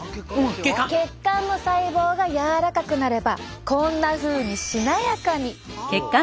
血管の細胞が柔らかくなればこんなふうにしなやかに。